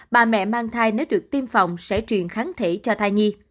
bà mẹ mang thai nếu được tiêm phòng sẽ truyền kháng thể cho thai nhi